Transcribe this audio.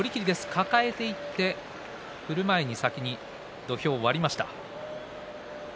抱えていって振る前に先に土俵を割りました。